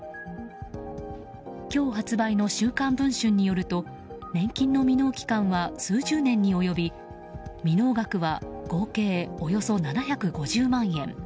今日発売の「週刊文春」によると年金の未納期間は数十年に及び未納額は合計およそ７５０万円。